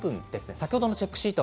先ほどのチェックシート。